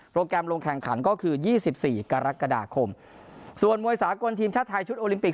แกรมลงแข่งขันก็คือยี่สิบสี่กรกฎาคมส่วนมวยสากลทีมชาติไทยชุดโอลิมปิก